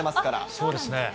そうですね。